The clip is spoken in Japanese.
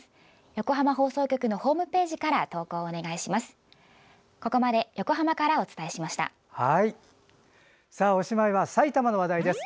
横浜放送局のホームページから投稿お願いします。